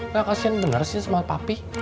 gak kasihan bener sih semua papi